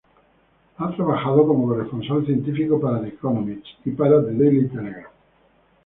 Ha trabajado como corresponsal científico para "The Economist" y para "The Daily Telegraph".